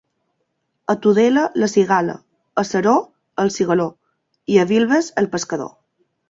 A Tudela, la cigala; a Seró, el cigaló, i a Vilves, el pescador.